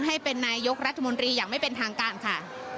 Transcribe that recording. ให้เป็นนายกรัฐมนตรีอย่างไม่เป็นทางการค่ะ